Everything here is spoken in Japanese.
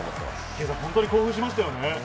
圭さん、本当に興奮しましたよね。